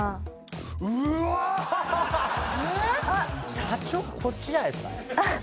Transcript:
社長こっちじゃないですかね？